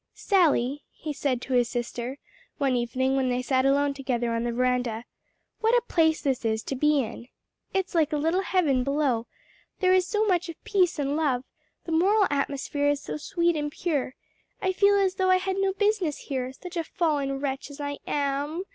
"Sally," he said to his sister, one evening when they sat alone together on the veranda, "what a place this is to be in! It's like a little heaven below; there is so much of peace and love; the moral atmosphere is so sweet and pure: I feel as though I had no business here, such a fallen wretch as I am!"